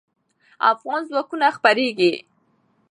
افغان ځواکونه خپرېږي.